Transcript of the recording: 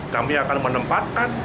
kami akan menempatkan